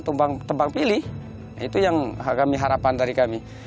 tebang pilih itu yang kami harapan dari kami